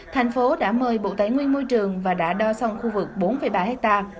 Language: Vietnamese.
thành phố đã mời bộ tài nguyên môi trường và đã đo xong khu vực bốn ba ha